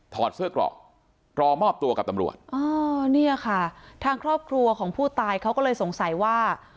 อดเสื้อเกราะรอมอบตัวกับตำรวจอ๋อเนี่ยค่ะทางครอบครัวของผู้ตายเขาก็เลยสงสัยว่า